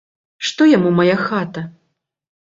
Што яму мая хата?